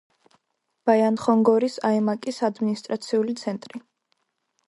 ბაიანხონგორის აიმაკის ადმინისტრაციული ცენტრი.